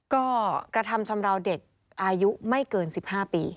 ก็กระทำชำราวเด็กอายุไม่เกิน๑๕ปี